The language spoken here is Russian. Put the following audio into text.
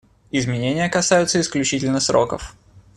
Изменения касаются исключительно сроков.